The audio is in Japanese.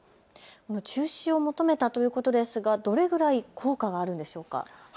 中止を求めたということですがどれくらい効果はあるんでしょうか。